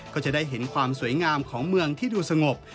ก็จะได้เห็นความสวยงามของเมืองที่ดูสงบ